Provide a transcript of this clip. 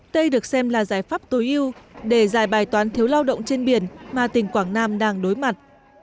đây được xem là giải pháp tối ưu để giải bài toán thiếu lao động trên biển mà tỉnh quảng nam đang đối mặt